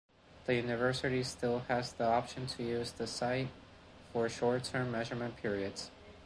The university still has the option to use the site for short-term measurement periods.